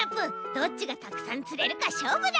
どっちがたくさんつれるかしょうぶだ！